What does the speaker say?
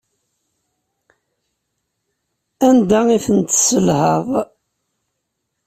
Anda ay ten-tesselhaḍ?